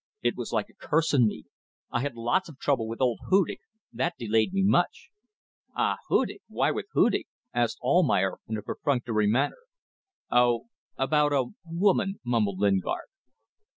It was like a curse on me. I had lots of trouble with old Hudig. That delayed me much." "Ah! Hudig! Why with Hudig?" asked Almayer, in a perfunctory manner. "Oh! about a ... a woman," mumbled Lingard.